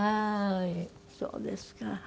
そうですか。